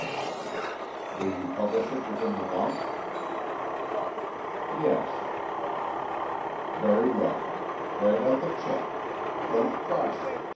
Will you publish it within the month?" "Yes." "Very well. Write out the cheque. Don't cross it.